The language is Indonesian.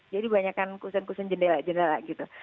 jadi banyak kan kusen kusen jendela jendela gitu